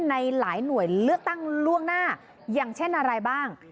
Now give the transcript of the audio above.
ในหลายหน่วยเลือกตั้งล่วงหน้าอย่างเช่นอะไรบ้าง